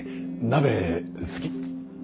鍋好き？